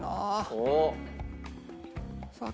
おっ！